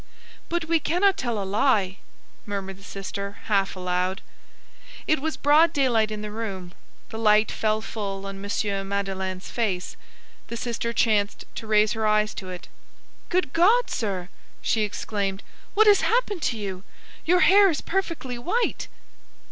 "But we cannot tell a lie," murmured the sister, half aloud. It was broad daylight in the room. The light fell full on M. Madeleine's face. The sister chanced to raise her eyes to it. "Good God, sir!" she exclaimed; "what has happened to you? Your hair is perfectly white!"